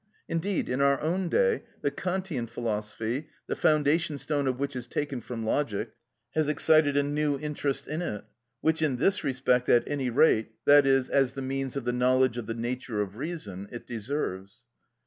Indeed, in our own day, the Kantian philosophy, the foundation stone of which is taken from logic, has excited a new interest in it; which, in this respect, at any rate, that is, as the means of the knowledge of the nature of reason, it deserves.